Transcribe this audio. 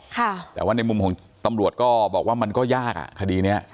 แต่ว่าในมุมของตำรวจก็บอกว่ามันก็ยากอ่ะคดีเนี้ย